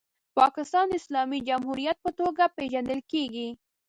پاکستان د اسلامي جمهوریت په توګه پیژندل کیږي.